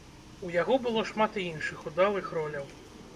У яго было шмат і іншых удалых роляў.